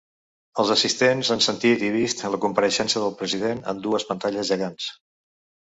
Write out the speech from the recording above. Els assistents han sentit i vist la compareixença del president en dues pantalles gegants.